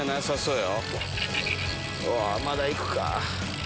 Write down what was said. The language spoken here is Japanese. うわまだ行くか。